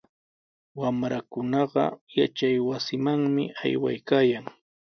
Wamrakunaqa yachaywasimanmi aywaykaayan.